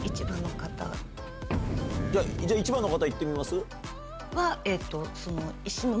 じゃあ１番の方行ってみます？